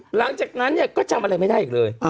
หลังจากนั้นเนี่ยก็จำอะไรไม่ได้อีกเลย